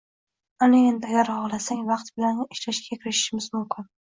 — Ana endi, agar xohlasang, vaqt bilan ishlashga kirishishimiz mumkin